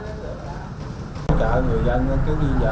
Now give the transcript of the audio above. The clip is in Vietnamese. các người dân cứ đi dậy và đừng lại đứng kế tạm cho người dân